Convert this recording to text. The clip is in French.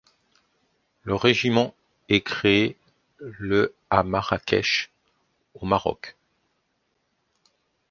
Le régiment est créé le à Marrakech, au Maroc.